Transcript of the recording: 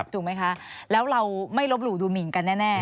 ถูกไหมคะแล้วเราไม่ลบหลู่ดูหมินกันแน่